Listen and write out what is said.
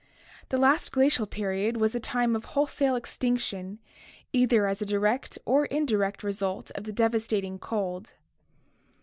The last glacial period was a time of wholesale extinction, either as a direct or indirect result of the dev astating cold.